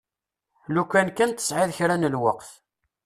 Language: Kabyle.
Lukan kan tesɛiḍ kra n lweqt.